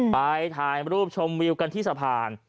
ไปถ่ายรูปชมวิวกันที่สะพาน